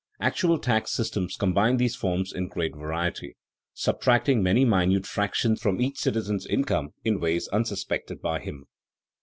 Actual tax systems combine these forms in great variety, subtracting many minute fractions from each citizen's income in ways unsuspected by him.